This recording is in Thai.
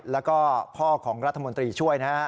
แล้วก็พ่อของรัฐมนตรีช่วยนะฮะ